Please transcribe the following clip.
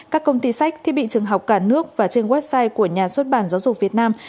các công ty sách thiết bị trường học cả nước và trên website của nhà xuất bản giáo dục việt nam